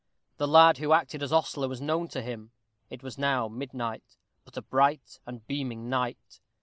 The lad who acted as ostler was known to him. It was now midnight, but a bright and beaming night.